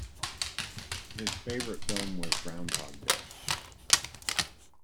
His favourite film was Groundhog Day